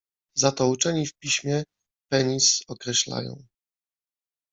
Za to uczeni w piśmie, penis - określają.